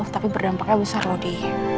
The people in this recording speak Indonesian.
tapi berdampaknya besar loh di